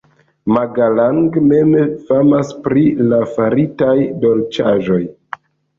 Magalang mem famas pri la faritaj dolĉaĵoj.